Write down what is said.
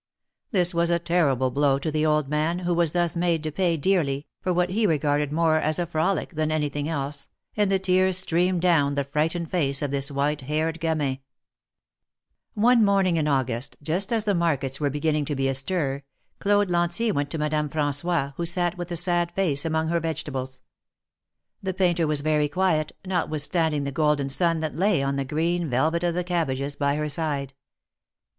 This was a terrible blow to the old man, who vms thus made to pay dearly,, for what he regarded more as a frolic than anything: else, and the tears streamed down the frightened face of this white haired gamin. One nioniing in August,, just as the markets were THE MARKETS OF PARIS. 309 beginning to be astir, Claude Lantier went to Madame Frangois, who sat with a sad face among her vegetables. The painter was very quiet, notwithstanding the golden sun that lay on the green velvet of the cabbages by her side.